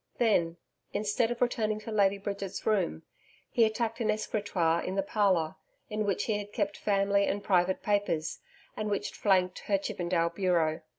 Then, instead of returning to Lady Bridget's room, he attacked an escritoire in the parlour in which he had kept family and private papers, and which flanked her Chippendale bureau.